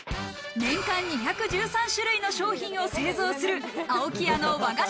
年間２１３種類の商品を製造する青木屋の和菓子